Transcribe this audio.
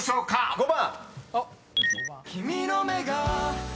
５番。